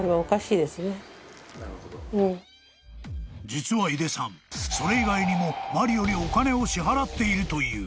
［実は井出さんそれ以外にもマリオにお金を支払っているという］